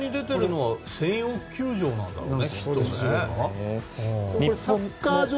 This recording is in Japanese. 今、映像に出てるのは専用球場なんだろうね。